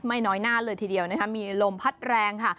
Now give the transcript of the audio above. น้อยหน้าเลยทีเดียวนะคะมีลมพัดแรงค่ะ